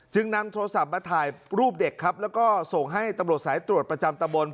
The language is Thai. นำโทรศัพท์มาถ่ายรูปเด็กครับแล้วก็ส่งให้ตำรวจสายตรวจประจำตะบน